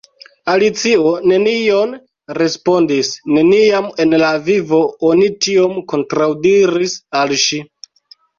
Alicio nenion respondis. Neniam en la vivo oni tiom kontraŭdiris al ŝi.